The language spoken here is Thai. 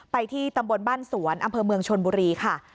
ที่ตำบลบ้านสวนอำเภอเมืองชนบุรีค่ะ